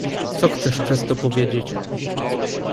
"Co chcesz przez to powiedzieć?"